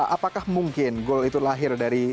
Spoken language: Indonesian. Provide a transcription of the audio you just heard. apakah mungkin gol itu lahir dari